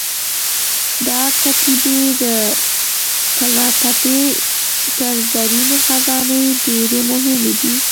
دا کتیبې د طلاتپې تر زرینې خزانې ډېرې مهمې دي.